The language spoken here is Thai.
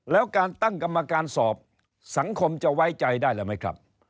แล้วการตั้งกรรมการสอบสังคมจะไว้ใจได้แล้วไหมครับ